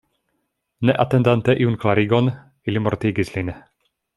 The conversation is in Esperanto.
Ne atendante iun klarigon ili mortigis lin.